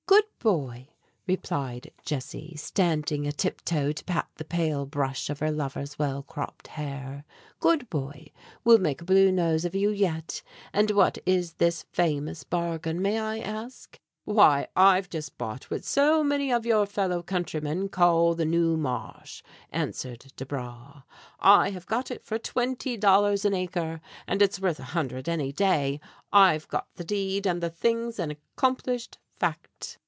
"Good boy," replied Jessie, standing a tip toe to pat the pale brush of her lover's well cropped hair. "Good boy, we'll make a Blue Nose of you yet! And what is this famous bargain, may I ask?" "Why, I've just bought what so many of your fellow countrymen call the 'Noo Ma'sh,'" answered Desbra. "I have got it for twenty dollars an acre, and it's worth a hundred any day! I've got the deed, and the thing's an accomplished fact."